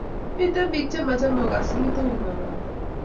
Miten pik che mache kokas Ruto kongalale